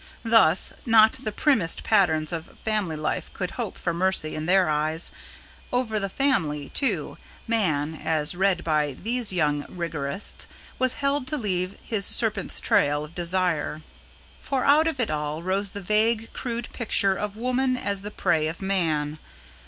Thus, not the primmest patterns of family life could hope for mercy in their eyes; over the family, too, man, as read by these young rigorists, was held to leave his serpent's trail of desire. For out of it all rose the vague, crude picture of woman as the prey of man.